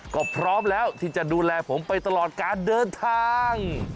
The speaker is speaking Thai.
ก็พร้อมแล้วที่จะดูแลผมไปตลอดการเดินทาง